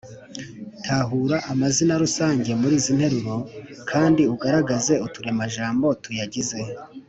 tahura amazina rusange muri izi nteruro kandi ugaragaze uturemajambo tuyagize.